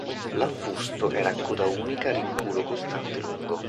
L'affusto era a coda unica a rinculo costante lungo.